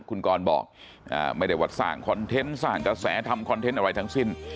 คุณกรบอกไม่ได้ว่าสร้างคอนเทนต์สร้างกระแสทำคอนเทนต์อะไรทั้งสิ้น